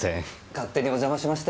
勝手にお邪魔しまして。